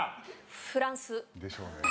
フランス。でしょうね。